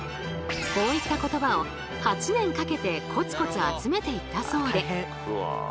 こういった言葉を８年かけてコツコツ集めていったそうで。